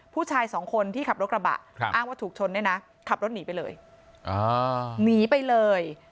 ผู้ชายสองคนที่ขับรถกระบะอ้างว่าถูกชนเนี่ยนะขับรถหนีไปเลยหนีไปเลย